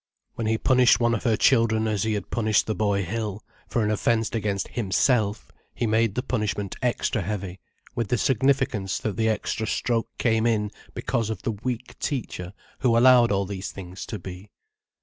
When he punished one of her children as he had punished the boy Hill, for an offence against himself, he made the punishment extra heavy with the significance that the extra stroke came in because of the weak teacher who allowed all these things to be.